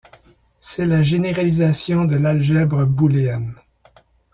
C'est la généralisation de l'algèbre booléenne.